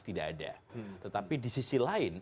tidak ada tetapi di sisi lain